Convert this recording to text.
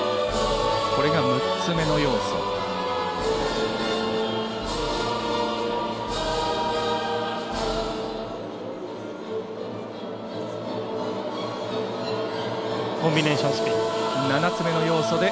これが６つ目の要素。